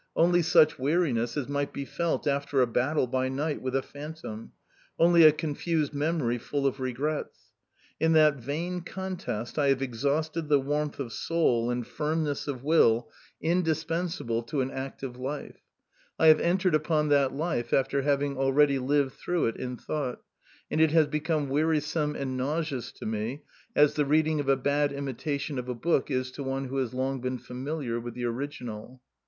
Only such weariness as might be felt after a battle by night with a phantom only a confused memory full of regrets. In that vain contest I have exhausted the warmth of soul and firmness of will indispensable to an active life. I have entered upon that life after having already lived through it in thought, and it has become wearisome and nauseous to me, as the reading of a bad imitation of a book is to one who has long been familiar with the original.